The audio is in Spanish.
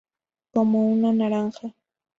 como una naranja